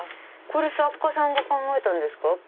これ作家さんが考えたんですか？